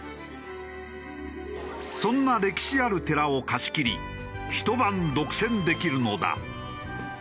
そんな歴史ある寺を貸し切りひと晩独占できるのだ。